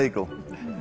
うん。